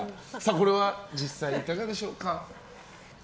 これは実際いかがでしょうか。